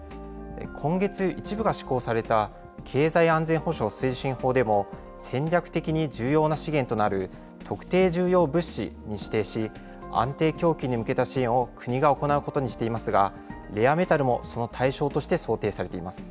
今月、一部が施行された経済安全保障推進法でも、戦略的に重要な資源となる特定重要物資に指定し、安定供給に向けた支援を国が行うことにしていますが、レアメタルもその対象として想定されています。